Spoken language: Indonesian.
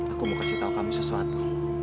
aku mau kasih tahu kami sesuatu